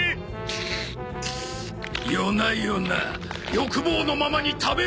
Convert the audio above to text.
ヨナヨナ欲望のままに食べろ！